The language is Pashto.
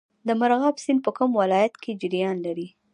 د مرغاب سیند په کوم ولایت کې جریان لري؟